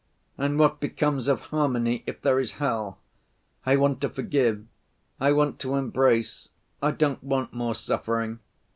And what becomes of harmony, if there is hell? I want to forgive. I want to embrace. I don't want more suffering.